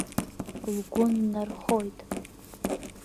Лгәы ннархоит.